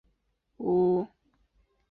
说一个故事